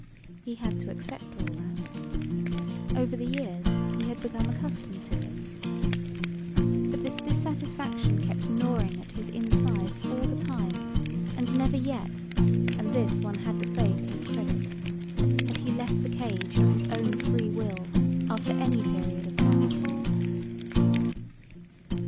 He had to accept all that. Over the years he had become accustomed to it. But this dissatisfaction kept gnawing at his insides all the time and never yet—and this one had to say to his credit—had he left the cage of his own free will after any period of fasting.